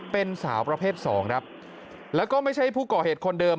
เป็นสาวประเภทสองครับแล้วก็ไม่ใช่ผู้ก่อเหตุคนเดิม